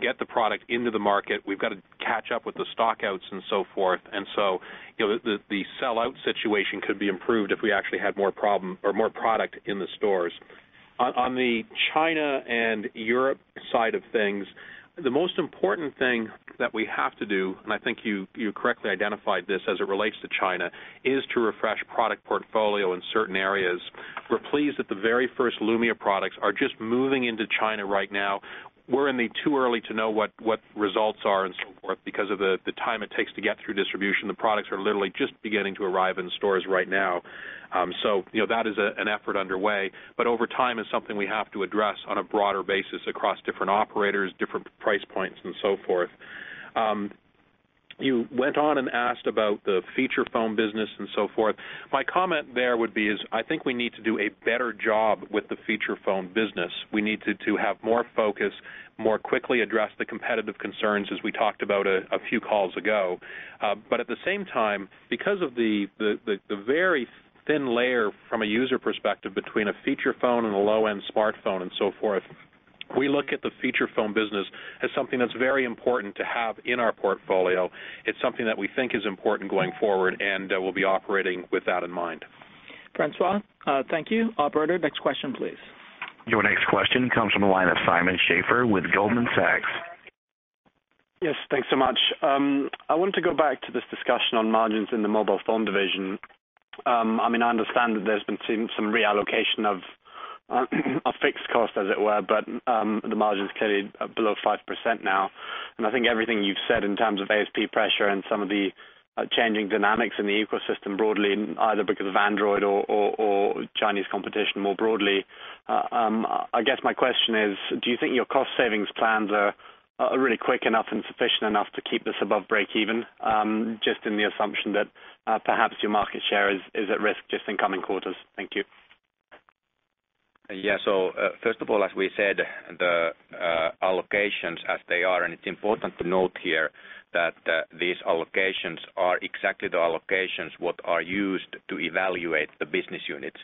get the product into the market. We've got to catch up with the stockouts and so forth. And so the sell-out situation could be improved if we actually had more problem or more product in the stores. On the China and Europe side of things, the most important thing that we have to do, and I think you correctly identified this as it relates to China, is to refresh product portfolio in certain areas. We're pleased that the very first Lumia products are just moving into China right now. We're too early to know what results are and so forth because of the time it takes to get through distribution. The products are literally just beginning to arrive in stores right now. So that is an effort underway, but over time is something we have to address on a broader basis across different operators, different price points, and so forth. You went on and asked about the feature phone business and so forth. My comment there would be is I think we need to do a better job with the feature phone business. We need to have more focus, more quickly address the competitive concerns as we talked about a few calls ago. But at the same time, because of the very thin layer from a user perspective between a feature phone and a low-end smartphone and so forth, we look at the feature phone business as something that's very important to have in our portfolio. It's something that we think is important going forward, and we'll be operating with that in mind. François, thank you. Operator, next question, please. Your next question comes from the line of Simon Schafer with Goldman Sachs. Yes, thanks so much. I wanted to go back to this discussion on margins in the mobile phone division. I mean, I understand that there's been some reallocation of fixed costs, as it were, but the margin's clearly below 5% now. And I think everything you've said in terms of ASP pressure and some of the changing dynamics in the ecosystem broadly, either because of Android or Chinese competition more broadly, I guess my question is, do you think your cost-savings plans are really quick enough and sufficient enough to keep this above break-even, just in the assumption that perhaps your market share is at risk just in coming quarters? Thank you. Yeah, so first of all, as we said, the allocations as they are, and it's important to note here that these allocations are exactly the allocations what are used to evaluate the business units.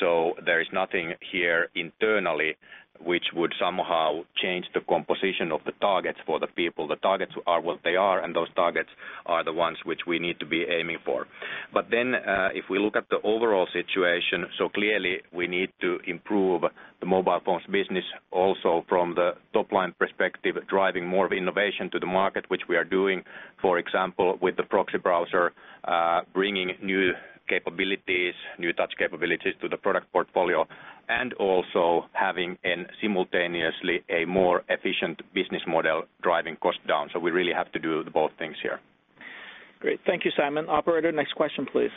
So there is nothing here internally which would somehow change the composition of the targets for the people. The targets are what they are, and those targets are the ones which we need to be aiming for. But then if we look at the overall situation, so clearly, we need to improve the mobile phones business also from the top line perspective, driving more of innovation to the market, which we are doing, for example, with the proxy browser, bringing new capabilities, new touch capabilities to the product portfolio, and also having simultaneously a more efficient business model driving cost down. So we really have to do both things here. Great, thank you, Simon. Operator, next question, please.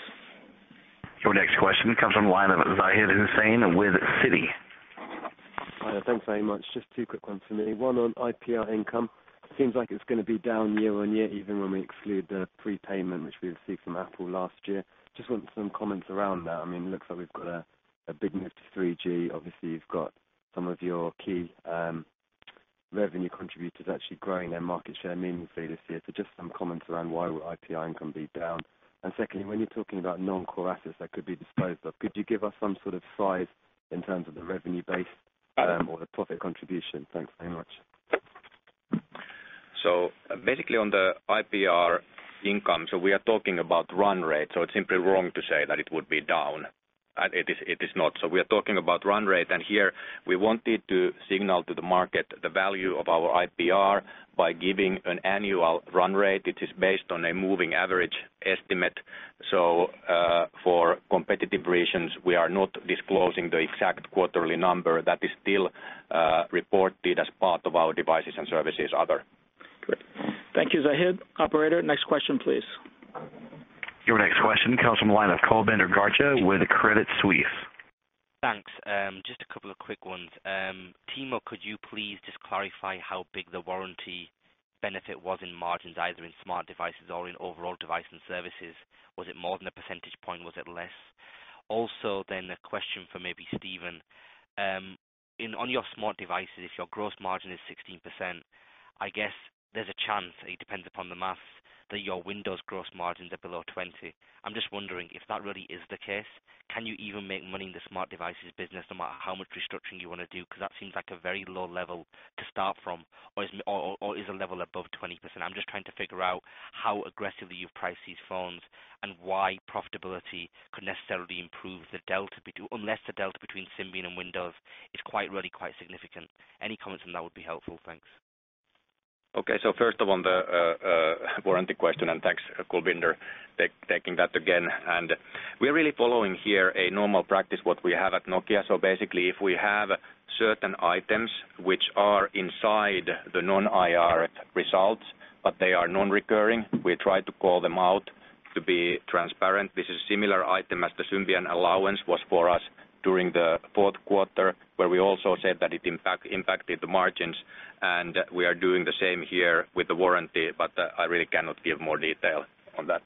Your next question comes from the line of Zahid Hussain with Citi. Thanks very much. Just two quick ones for me. One on IPR income. Seems like it's going to be down year on year, even when we exclude the prepayment which we received from Apple last year. Just want some comments around that. I mean, it looks like we've got a big move to 3G. Obviously, you've got some of your key revenue contributors actually growing their market share meaningfully this year. So just some comments around why would IPR income be down? And secondly, when you're talking about non-core assets that could be disposed of, could you give us some sort of size in terms of the revenue base or the profit contribution? Thanks very much. So basically, on the IPR income, we are talking about run rate. It's simply wrong to say that it would be down. It is not. We are talking about run rate, and here, we wanted to signal to the market the value of our IPR by giving an annual run rate. It is based on a moving average estimate. For competitive reasons, we are not disclosing the exact quarterly number. That is still reported as part of our devices and services other. Great. Thank you, Zahid. Operator, next question, please. Your next question comes from the line of Kulbinder Garcha with Credit Suisse. Thanks. Just a couple of quick ones. Timo, could you please just clarify how big the warranty benefit was in margins, either in smart devices or in overall devices and services? Was it more than a percentage point? Was it less? Also, then a question for maybe Stephen. On your smart devices, if your gross margin is 16%, I guess there's a chance, it depends upon the math, that your Windows gross margins are below 20%. I'm just wondering if that really is the case. Can you even make money in the smart devices business no matter how much restructuring you want to do? Because that seems like a very low level to start from, or is a level above 20%? I'm just trying to figure out how aggressively you've priced these phones and why profitability could necessarily improve the delta unless the delta between Symbian and Windows is really quite significant. Any comments on that would be helpful. Thanks. Okay, so first of all, the warranty question, and thanks, Kulbinder, taking that again. And we're really following here a normal practice, what we have at Nokia. So basically, if we have certain items which are inside the non-IFRS results, but they are non-recurring, we try to call them out to be transparent. This is a similar item as the Symbian allowance was for us during the fourth quarter, where we also said that it impacted the margins. And we are doing the same here with the warranty, but I really cannot give more detail on that.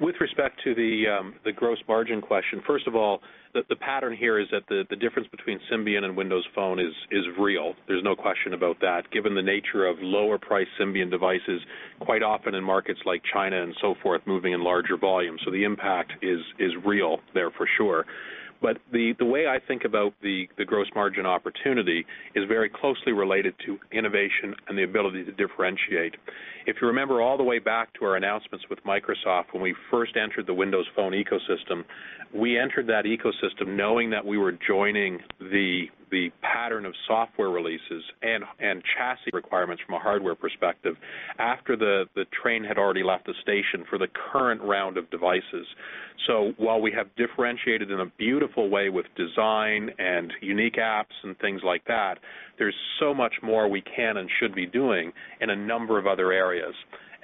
With respect to the gross margin question, first of all, the pattern here is that the difference between Symbian and Windows Phone is real. There's no question about that. Given the nature of lower-priced Symbian devices, quite often in markets like China and so forth, moving in larger volumes. So the impact is real there, for sure. But the way I think about the gross margin opportunity is very closely related to innovation and the ability to differentiate. If you remember all the way back to our announcements with Microsoft when we first entered the Windows Phone ecosystem, we entered that ecosystem knowing that we were joining the pattern of software releases and chassis requirements from a hardware perspective after the train had already left the station for the current round of devices. While we have differentiated in a beautiful way with design and unique apps and things like that, there's so much more we can and should be doing in a number of other areas.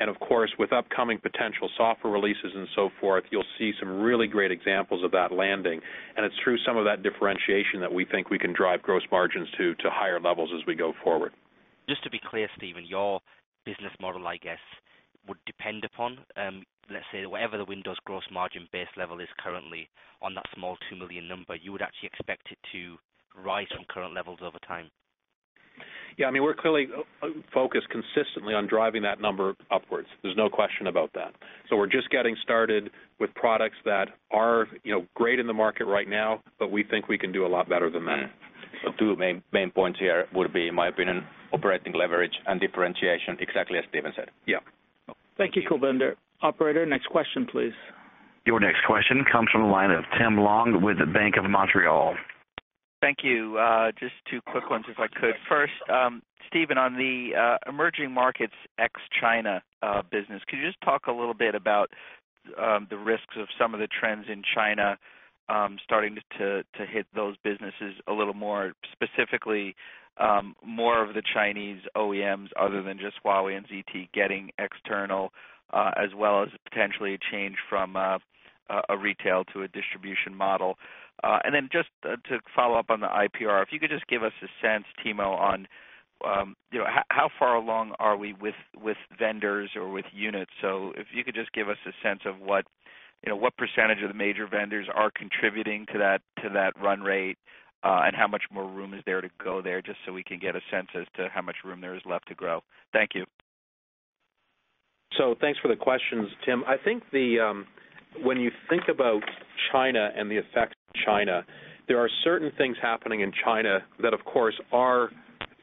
Of course, with upcoming potential software releases and so forth, you'll see some really great examples of that landing. It's through some of that differentiation that we think we can drive gross margins to higher levels as we go forward. Just to be clear, Stephen, your business model, I guess, would depend upon, let's say, whatever the Windows gross margin base level is currently on that small 2 million number, you would actually expect it to rise from current levels over time? Yeah, I mean, we're clearly focused consistently on driving that number upwards. There's no question about that. So we're just getting started with products that are great in the market right now, but we think we can do a lot better than that. Two main points here would be, in my opinion, operating leverage and differentiation, exactly as Stephen said. Yeah. Thank you, Kulbinder. Operator, next question, please. Your next question comes from the line of Tim Long with Bank of Montreal. Thank you. Just two quick ones, if I could. First, Stephen, on the emerging markets ex-China business, could you just talk a little bit about the risks of some of the trends in China starting to hit those businesses a little more, specifically more of the Chinese OEMs other than just Huawei and ZTE getting external, as well as potentially a change from a retail to a distribution model? And then just to follow up on the IPR, if you could just give us a sense, Timo, on how far along are we with vendors or with units? So if you could just give us a sense of what percentage of the major vendors are contributing to that run rate and how much more room is there to go there, just so we can get a sense as to how much room there is left to grow. Thank you. So thanks for the questions, Tim. I think when you think about China and the effects of China, there are certain things happening in China that, of course, are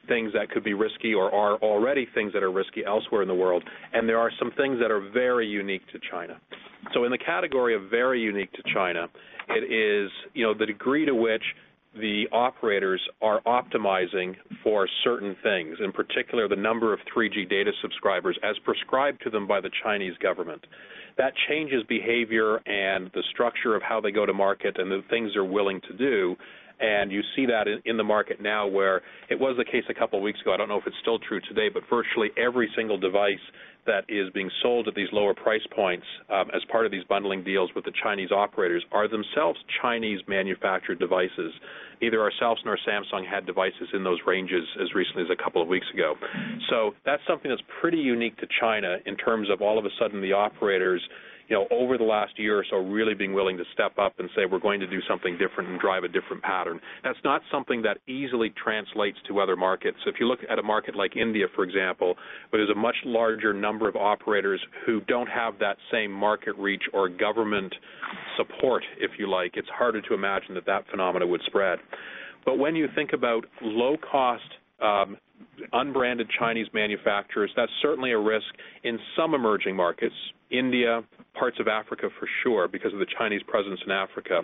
things that could be risky or are already things that are risky elsewhere in the world. And there are some things that are very unique to China. So in the category of very unique to China, it is the degree to which the operators are optimizing for certain things, in particular, the number of 3G data subscribers as prescribed to them by the Chinese government. That changes behavior and the structure of how they go to market and the things they're willing to do. And you see that in the market now where it was the case a couple of weeks ago. I don't know if it's still true today, but virtually every single device that is being sold at these lower price points as part of these bundling deals with the Chinese operators are themselves Chinese-manufactured devices. Neither ourselves nor Samsung had devices in those ranges as recently as a couple of weeks ago. So that's something that's pretty unique to China in terms of all of a sudden, the operators over the last year or so really being willing to step up and say, "We're going to do something different and drive a different pattern." That's not something that easily translates to other markets. If you look at a market like India, for example, where there's a much larger number of operators who don't have that same market reach or government support, if you like, it's harder to imagine that that phenomena would spread. But when you think about low-cost, unbranded Chinese manufacturers, that's certainly a risk in some emerging markets, India, parts of Africa, for sure, because of the Chinese presence in Africa.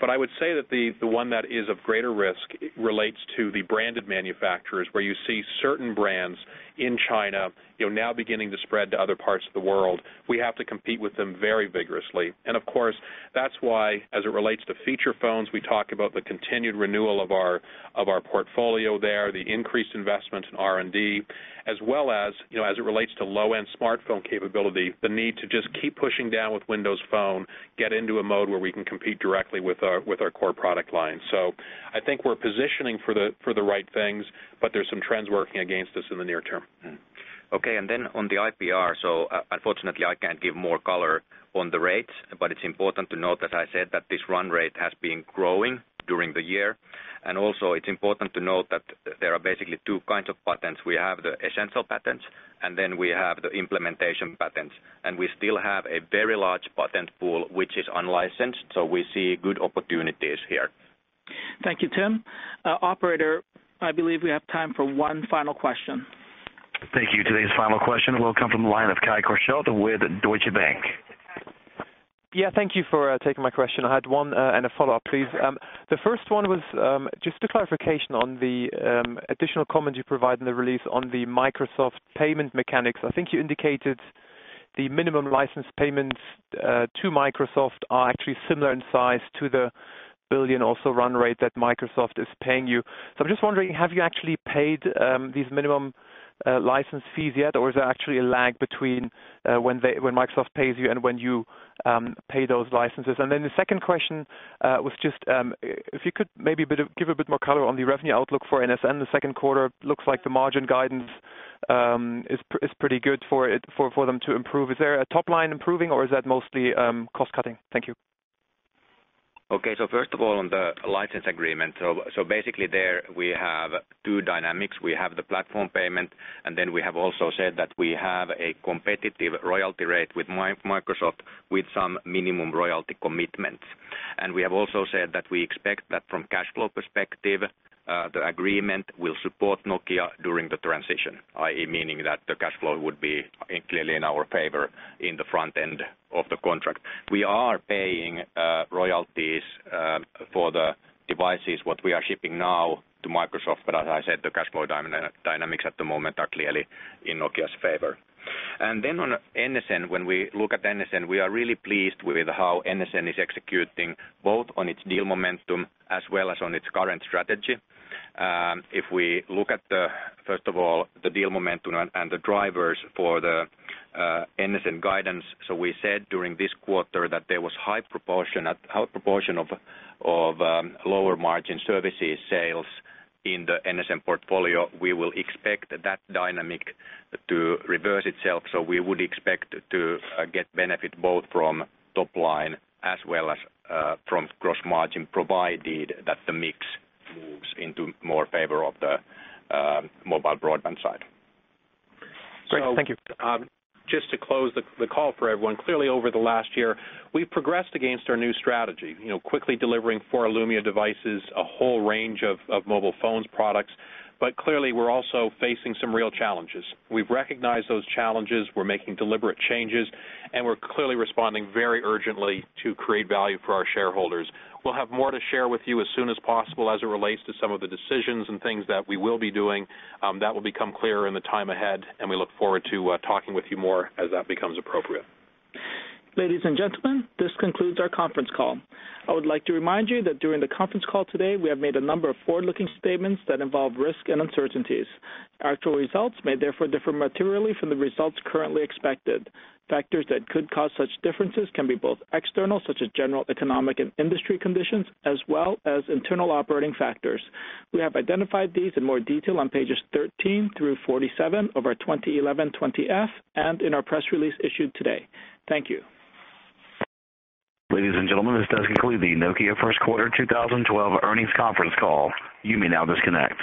But I would say that the one that is of greater risk relates to the branded manufacturers where you see certain brands in China now beginning to spread to other parts of the world. We have to compete with them very vigorously. And of course, that's why, as it relates to feature phones, we talk about the continued renewal of our portfolio there, the increased investment in R&D, as well as, as it relates to low-end smartphone capability, the need to just keep pushing down with Windows Phone, get into a mode where we can compete directly with our core product line. I think we're positioning for the right things, but there's some trends working against us in the near term. Okay, and then on the IPR, so unfortunately, I can't give more color on the rates, but it's important to note, as I said, that this run rate has been growing during the year. And also, it's important to note that there are basically two kinds of patents. We have the essential patents, and then we have the implementation patents. And we still have a very large patent pool, which is unlicensed. So we see good opportunities here. Thank you, Tim. Operator, I believe we have time for one final question. Thank you. Today's final question will come from the line of Kai Korschelt with Deutsche Bank. Yeah, thank you for taking my question. I had one and a follow-up, please. The first one was just a clarification on the additional comments you provided in the release on the Microsoft payment mechanics. I think you indicated the minimum license payments to Microsoft are actually similar in size to the 1 billion run rate that Microsoft is paying you. So I'm just wondering, have you actually paid these minimum license fees yet, or is there actually a lag between when Microsoft pays you and when you pay those licenses? And then the second question was just if you could maybe give a bit more color on the revenue outlook for NSN. The second quarter looks like the margin guidance is pretty good for them to improve. Is there a top line improving, or is that mostly cost-cutting? Thank you. Okay, so first of all, on the license agreement, so basically, there, we have two dynamics. We have the platform payment, and then we have also said that we have a competitive royalty rate with Microsoft with some minimum royalty commitments. And we have also said that we expect that from cash flow perspective, the agreement will support Nokia during the transition, i.e., meaning that the cash flow would be clearly in our favor in the front end of the contract. We are paying royalties for the devices, what we are shipping now to Microsoft, but as I said, the cash flow dynamics at the moment are clearly in Nokia's favor. And then on NSN, when we look at NSN, we are really pleased with how NSN is executing both on its deal momentum as well as on its current strategy. If we look at, first of all, the deal momentum and the drivers for the NSN guidance, so we said during this quarter that there was high proportion of lower margin services sales in the NSN portfolio. We will expect that dynamic to reverse itself. So we would expect to get benefit both from top line as well as from gross margin provided that the mix moves into more favor of the mobile broadband side. Great. Thank you. Just to close the call for everyone, clearly, over the last year, we've progressed against our new strategy, quickly delivering four Lumia devices, a whole range of mobile phone products. But clearly, we're also facing some real challenges. We've recognized those challenges. We're making deliberate changes, and we're clearly responding very urgently to create value for our shareholders. We'll have more to share with you as soon as possible as it relates to some of the decisions and things that we will be doing. That will become clearer in the time ahead, and we look forward to talking with you more as that becomes appropriate. Ladies and gentlemen, this concludes our conference call. I would like to remind you that during the conference call today, we have made a number of forward-looking statements that involve risk and uncertainties. Actual results may therefore differ materially from the results currently expected. Factors that could cause such differences can be both external, such as general economic and industry conditions, as well as internal operating factors. We have identified these in more detail on pages 13 through 47 of our 2011 20-F and in our press release issued today. Thank you. Ladies and gentlemen, this does conclude the Nokia First Quarter 2012 earnings conference call. You may now disconnect.